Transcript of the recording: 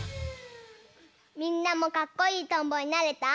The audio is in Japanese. みんなもかっこいいとんぼになれた？